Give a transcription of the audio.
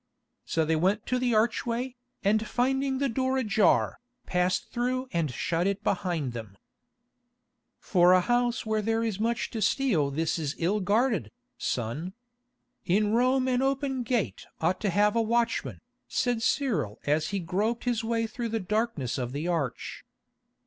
So they went to the archway, and finding the door ajar, passed through and shut it behind them. "For a house where there is much to steal this is ill guarded, son. In Rome an open gate ought to have a watchman," said Cyril as he groped his way through the darkness of the arch.